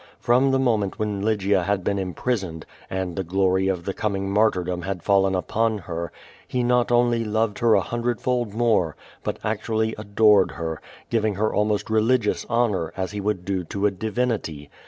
From the moment when Lygia had been imi)risoned, and the glory of the coming martyrdom had fallen u])on her, he not only loved her a hundredfold more, but actually adored her, giving her almost religious honor, as he would to a divinity.